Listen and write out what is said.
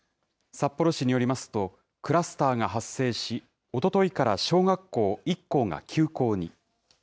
札幌市によりますと、クラスターが発生し、おとといから小学校１校が休校に。